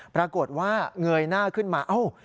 ปรากฏว่าเงยหน้าขึ้นมาเอ้า